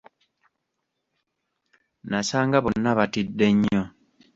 Nasanga bonna batidde nnyo.